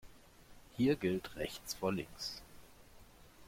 Hier gilt rechts vor links.